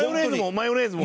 マヨネーズも？